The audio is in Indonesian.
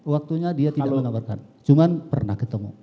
waktunya dia tidak mengabarkan cuma pernah ketemu